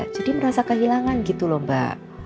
jadi merasa kehilangan gitu lho mbak